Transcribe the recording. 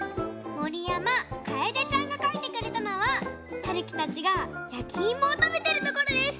もりやまかえでちゃんがかいてくれたのははるきたちがやきいもをたべてるところです！